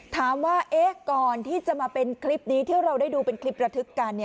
ถามว่าก่อนที่จะมาเป็นคลิปนี้ที่เราได้ดูเป็นคลิประทึกกัน